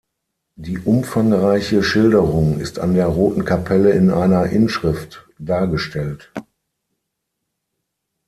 Die umfangreiche Schilderung ist an der Roten Kapelle in einer Inschrift dargestellt.